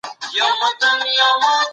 د معلولینو لپاره باید د کار زمینه وي.